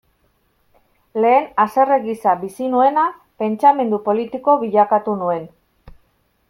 Lehen haserre gisa bizi nuena, pentsamendu politiko bilakatu nuen.